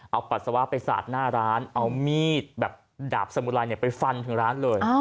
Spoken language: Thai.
เอาปัสสาวะไปสาดหน้าร้านเอามีดแบบดาบสมุไรไปฟันถึงร้านเลย